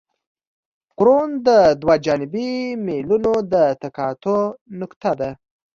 کرون د دوه جانبي میلونو د تقاطع نقطه ده